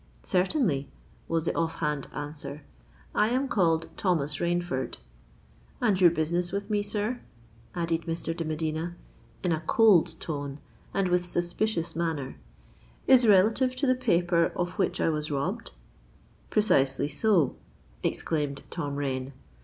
"—"Certainly," was the off hand answer. "I am called Thomas Rainford."—"And your business with me, sir," added Mr. de Medina, in a cold tone and with suspicious manner, "is relative to the paper of which I was robbed?"—"Precisely so," exclaimed Tom Rain.